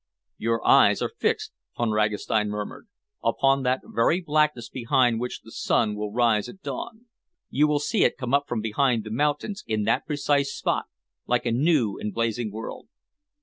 "Your eyes are fixed," Von Ragastein murmured, "upon that very blackness behind which the sun will rise at dawn. You will see it come up from behind the mountains in that precise spot, like a new and blazing world."